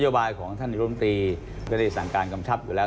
นโยบายของท่านอิงโรมนิตรีจะได้สั่งการกำชาปอยู่แล้ว